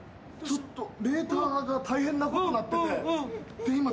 ちょっとメーターが大変なことになってて。